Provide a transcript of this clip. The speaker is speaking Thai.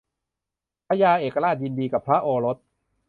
พญาเอกราชยินดีกับพระโอรส